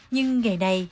nhưng ngày này